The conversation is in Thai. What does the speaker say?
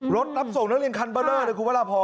รถตับส่งนักเรียนคันเบอร์เนอร์ครับคุณพระพอล